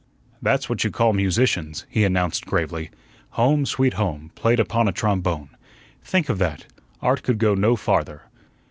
"That's what you call musicians," he announced gravely. "'Home, Sweet Home,' played upon a trombone. Think of that! Art could go no farther."